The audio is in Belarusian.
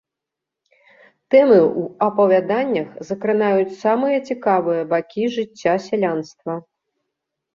Тэмы ў апавяданнях закранаюць самыя цікавыя бакі жыцця сялянства.